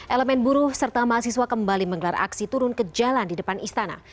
elemen buruh serta mahasiswa kembali menggelar aksi turun ke jalan di depan istana